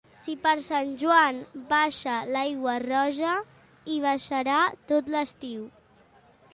Si per Sant Joan baixa l'aigua roja, hi baixarà tot l'estiu.